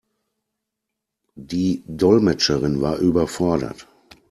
Die Dolmetscherin war überfordert.